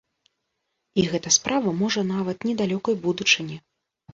І гэта справа можа нават недалёкай будучыні.